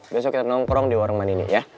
besok kita nongkrong di warung manini ya